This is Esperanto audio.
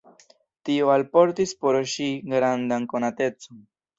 Tio alportis por ŝi grandan konatecon.